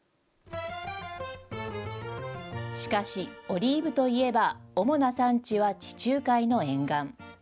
しかし、オリーブといえば、主な産地は地中海の沿岸。